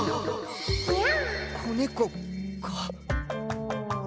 子猫か